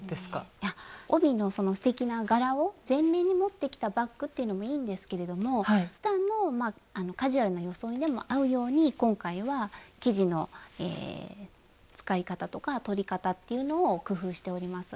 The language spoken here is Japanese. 帯のすてきな柄を全面に持ってきたバッグっていうのもいいんですけれどもふだんのカジュアルな装いでも合うように今回は生地の使い方とか取り方っていうのを工夫しております。